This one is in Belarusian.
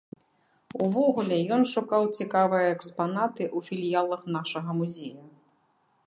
Увогуле ён шукаў цікавыя экспанаты ў філіялах нашага музея.